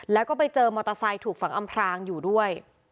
แล้วก็ไปเจอมอเตอร์ไซค์ถูกฝังอำพรางอยู่ด้วย